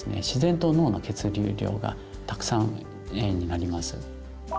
自然と脳の血流量がたくさんになります。